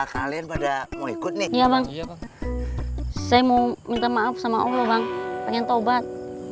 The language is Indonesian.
kalian pada mau ikut niknya bang saya mau minta maaf sama allah bang pengen taubat